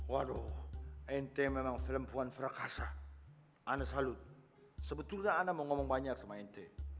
waduh ente memang perempuan frakasa anasalut sebetulnya anda mau ngomong banyak sama ente